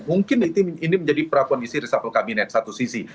mungkin ini menjadi prakondisi resapel kabinet satu sisi